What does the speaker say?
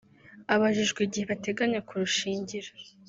Abajijwe igihe bateganya kurushingira